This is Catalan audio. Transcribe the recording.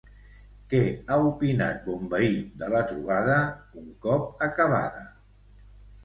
Què ha opinat Bonvehí de la trobada, un cop acabada?